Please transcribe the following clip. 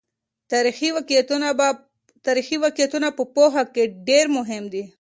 تاریخي واقعیتونه په پوهه کې ډېر مهم دي.